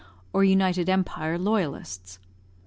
(or United Empire) Loyalists.